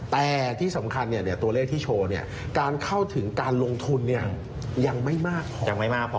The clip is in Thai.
แต่ที่สำคัญตัวเลขที่โชว์การเข้าถึงการลงทุนยังไม่มากยังไม่มากพอ